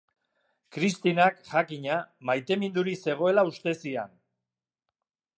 Krisztinak, jakina, maitemindurik zegoela uste zian.